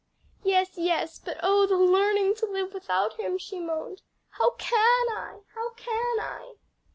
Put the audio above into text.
"Yes, yes, but oh, the learning to live without him!" she moaned. "How can I! how can I!"